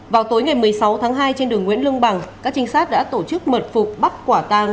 vào tối ngày một mươi sáu tháng hai trên đường nguyễn lương bằng các trinh sát đã tổ chức mật phục bắt quả tàng